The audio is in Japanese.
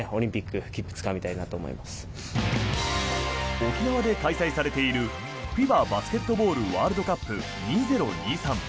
沖縄で開催されているＦＩＢＡバスケットボールワールドカップ２０２３。